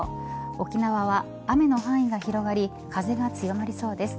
沖縄は雨の範囲が広がり風が強まりそうです。